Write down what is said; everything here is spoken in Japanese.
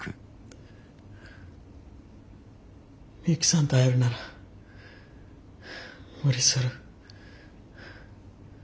ミユキさんと会えるなら無理する。